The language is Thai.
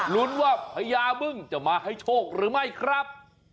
รุ้นว่าพญาบึ้งจะมาให้โชคหรือไม่ครับ